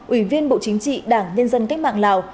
ủy viên bộ chính trị đảng nhân dân cách mạng lào